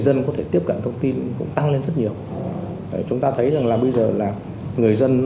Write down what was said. dân có thể tiếp cận thông tin cũng tăng lên rất nhiều chúng ta thấy rằng là bây giờ là người dân